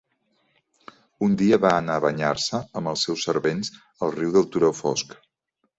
Un dia, va anar a banyar-se amb els seus servents al riu del turó fosc.